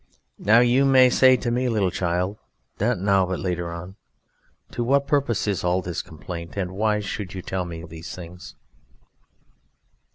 Now you may say to me, little child (not now, but later on), to what purpose is all this complaint, and why should you tell me these things?